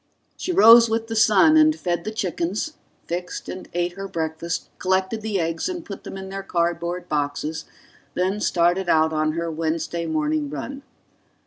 She rose with the sun and fed the chickens, fixed and ate her breakfast, collected the eggs and put them in their cardboard boxes, then started out on her Wednesday morning run.